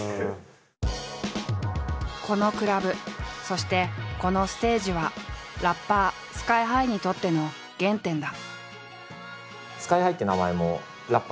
このクラブそしてこのステージはラッパーＳＫＹ−ＨＩにとっての原点だ。